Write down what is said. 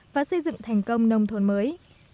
và xây dựng thành công nông thôn mới